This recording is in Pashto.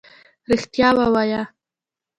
رښتيا ووايه.